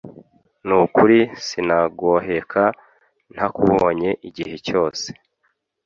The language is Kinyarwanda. Nukuri sinagoheka ntakubonye igihe cyose